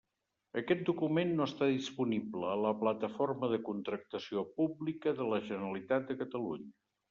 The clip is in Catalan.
Aquest document no està disponible a la Plataforma de Contractació Pública de la Generalitat de Catalunya.